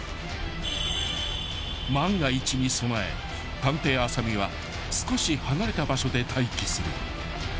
［万が一に備え探偵浅見は少し離れた場所で待機する］